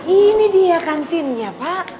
ini dia kantinnya pak